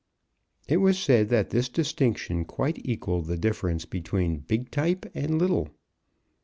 It was said that this distinction quite equalled the difference between big type and little.